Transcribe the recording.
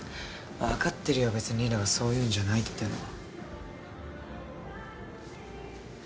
わかってるよべつに莉奈がそういうんじゃないっていうのは。